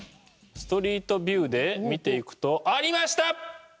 ストリートビューで見ていくとありました！